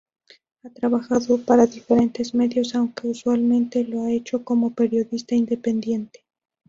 Ha trabajado para diferentes medios, aunque usualmente lo ha hecho como periodista independiente.